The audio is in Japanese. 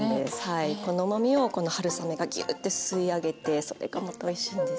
このうまみをこの春雨がギューッて吸い上げてそれがまたおいしいんです。